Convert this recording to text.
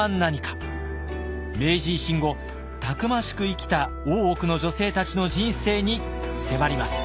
明治維新後たくましく生きた大奥の女性たちの人生に迫ります。